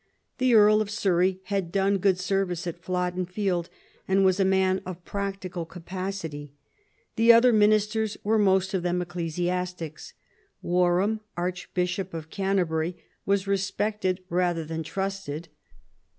The Earl of Surrey had done good service at Flodden Field, and was a man of practical capacity. The other ministers were most of them ecclesiastics. Warham, Archbishop of Canterbury, was respected rather than trusted.